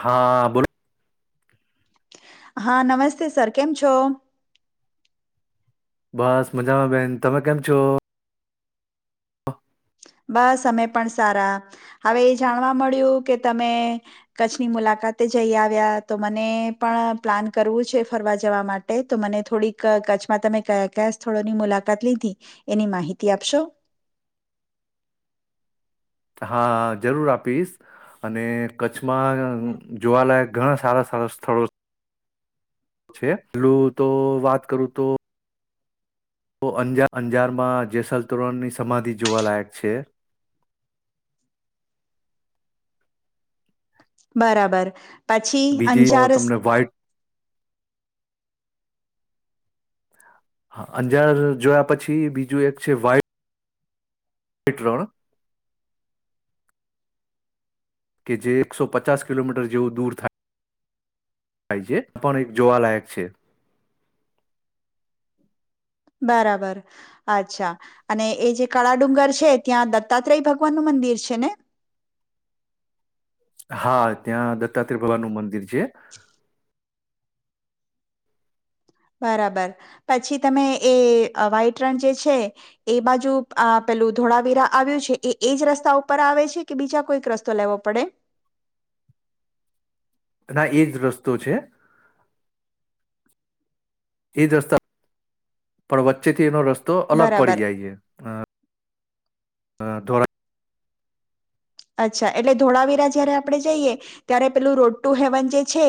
હા બોલો. હા નમસ્તે સર કેમ છો? બસ મજામાંબેન તમે કેમ છો? હા. બસ અમે પણ સારા, હવે એ જાણવા મળ્યું કે તમે, કચ્છની મુલાકાતે જઈ આવ્યા તો મને પણ પ્લાન કરવું છે ફરવા જવા માટે તો મને થોડીક કચ્છમાં તમે કયા કયા સ્થળોની મુલાકાત લીધી, એની માહિતી આપશો? હા જરૂર આપીશ, અને કચ્છમાં જોવાલાયક ઘણા સારા સારા સ્થળો છે, પેલું તો વાત કરું તો તો અંજારમાં જેસલતોરણની સમાધિ જોવાલાયક છે. બરાબર. પછી બીજી તો અંચારસ તમને વ્હાઈટ હા અંજાર જોયા પછી બીજું એક છે વઇટ હટલોનું. કે જે એક સો પચાસ કિલોમીટર જેવું દૂર થાયાય છે, પણ એક જોવાલાયક છે. બરાબર, અચ્છા અને એ જે કળા ડુંગર છે ત્યાં દત્તાત્રેય ભગવાન નું મંદિર છે ને. હા ત્યાં દત્તાત્રેય ભવાનનું મંદિર છે. બરાબર, પછી તમે એ વ્હાઈટ રન જે છે, એ બાજુ પેલું ધોળાવીરા આવ્યું છે એ એજ રસ્તા ઉપર આવે છે કે બીજા કોઈક રસ્તો લેવો પડે? ના એજ રસ્તો છે. એ જ રસ્તા પણ વચ્ચેથી એનો રસ્તો તો અલગ બરાબર પડી જાય છે. હ થોડા અચ્છા એટલે ધોળાવીરા જયારે આપણે જઈએ, ત્યારે પેલું રોડ ટુ હેવન જે છે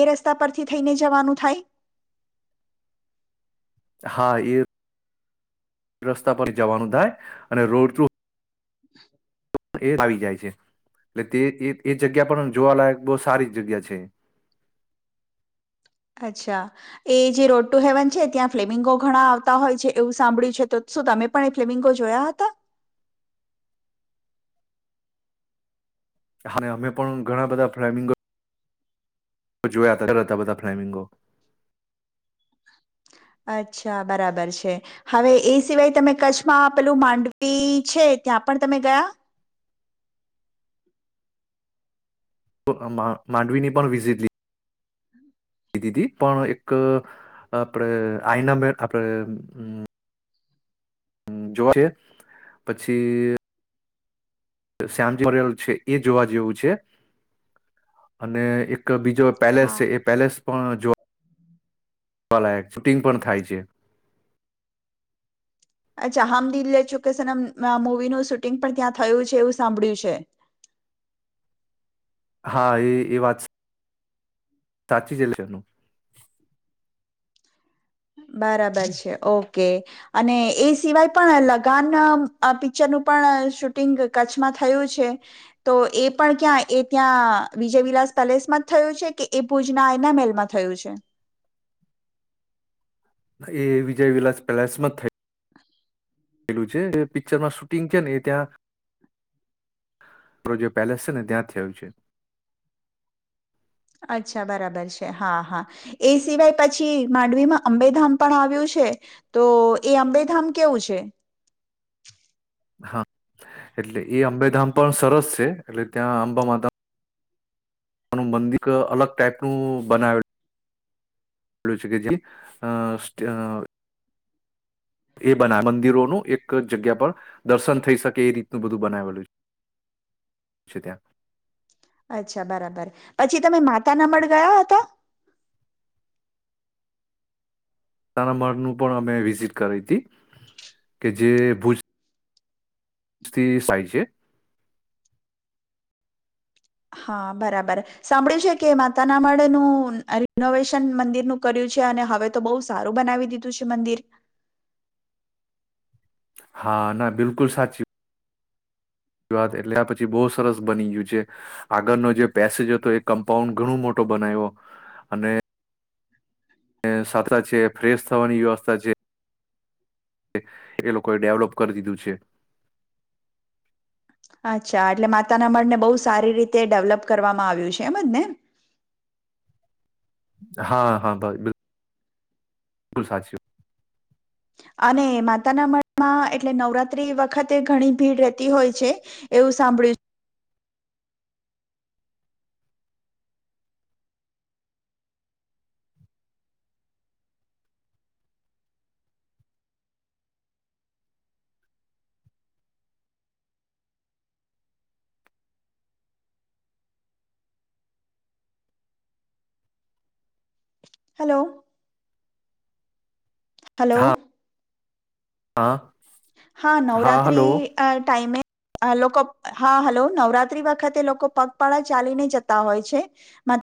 એ, રસ્તા પરથી થઈને જવાનું થાય? હા એ રસ્તા પર જવાનું થાય, અને રોડ [inaudible] એ આવી જાય છે, એટલે તે એ જગ્યા પણ જોવાલાયક બહ સારી જગ્યા છે. અચ્છા, એ જે રોટ ટુ હેવન છે ત્યાં ફ્લેવિંગો ઘણા આવતા હોય છે એવું સાંભળ્યું છે તો શું તમે પણ એ ફ્લેવિંગો જોયા હતા? અને અમે પણ ઘણા બધા ફ્મિંગ જોવે આતા રતાાબતા ફ્રેમિંગો. અચ્છા બરાબર છે, હવે એ સિવાય તમે કચ્છમાં આપેલું માંડવી છે ત્યાં પણ તમે ગયા? માંડવીની પણ વિઝિટ લીધી દીદી પણ એક આપણે આઈના મે આપણે જો છે, પછી શમજીલ છે એ જોવા જેવું છે, અને એક બીજો પેલેસ હા છે એ પેલેસ પણ જો લાયક શૂટિંગ પણ થાય છે. અચ્છા હમદિલ લે ચુકેશનમ મુવીનું શૂટિંગ પણ ત્યાં થયું છે એવું સાંભળ્યું છે. હા એ એ વાત છે. સાચી જલે જ બરાબર છે ઓકે, અને એ સિવાય પણ લગાન પિક્ચરનું પણ શૂટિંગ કચ્છમાં થયું છે, તો એ પણ ક્યાં એ ત્યાં વિજય વિલાસ પેલેસમાં થયું છે કે એ ભુજના એયનામેલમાં થયું છે? એ વિજય વિલાસ પેલેસમાં થઈ પલું છે પિક્ચરમાં શૂટિંગ છે ને એ ત્યાં, જે પેલેસ છે ને ત્યાં થયું છે. અચ્છા બરાબર છે હા હા, એ સિવાય પછી માંડવીમાં અંબેધામ પણ આવ્યું છે, તો એ અંબેધામ કેવું છે? હા, એટલે એ અંબેધામ પણ સરસ છે, એટલે ત્યાં અંબા માતા મંદિર અલગ ટાાઈપનું બનાવેલુંલ છે, કે જે એ બનાવે મંદિરોનું એક જગ્યા પર દર્શન થઈ શકે એ રીતનું બધું બનાવેલું છે, ત્યાં અચ્છા બરાબર, પછી તમે માતા નમ ગયા હતા? તનામાળનું પણ અમે વિઝિટ કરાઈ હતી, કે જે ભુજ થી સાહ છે. હા બરાબર. સાંભળ્યું છે કે માતાના માળેનું અહ રિનોવેશન મંદિરનું કર્યું છે અને હવે તો બહુ સારું બનાવી દીધું છે મંદિર. હા, ના બિલકુલ સાચી વાત એટલે આ પછી બહુ સરસ બની ગયું છે. આગળનો જે પેસેજ હતો એ કમ્પાઉન્ડ ઘણું મોટો બનાવ્યો અને ને સાથે છે ફ્રેશ થવાની વ્યવસ્થા છે. એ લોકોએ ડેવલોપ કર દીધું છે. અચ્છા એટલે માતાના મઢને બહુ સારી રીતે ડેવલપ કરવામાં આવ્યું છે, એમજ ને? હા, હા ભાઈ બિલકુલ સાચું. અને માતાના મઢમાં એટલે નવરાત્રી વખતે ઘણી ભીડ રહેતી હોય છે, એવું સાંભળ્યું હેલો. વાત. હલો. હા હા. હા નવરાત્રી અહ ટાઈમે આ લોકો હા હલો નવરાત્રી વખતે લોકો પગપાળા ચાલીને જતા હોય છે મ